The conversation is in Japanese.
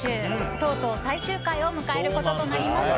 とうとう最終回を迎えることとなりました。